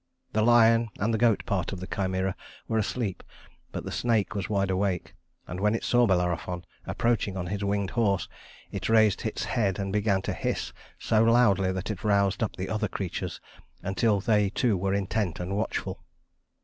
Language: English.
The lion and the goat part of the Chimæra were asleep, but the snake was wide awake; and when it saw Bellerophon approaching on his winged horse, it raised its head and began to hiss so loudly that it roused up the other creatures until they too were intent and watchful.